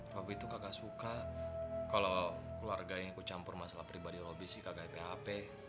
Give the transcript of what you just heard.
rere itu kagak suka kalau keluarganya yang kucampur masalah pribadi robi sih kagak epe epe